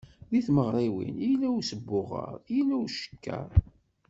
Deg tmeɣriwin, yella usbuɣer yella ucekker.